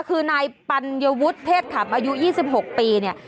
คือนายปัญวุฒิเพศขำอายุ๒๖ปีเนี่ย